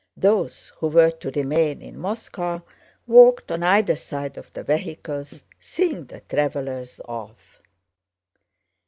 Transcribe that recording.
Those who were to remain in Moscow walked on either side of the vehicles seeing the travelers off.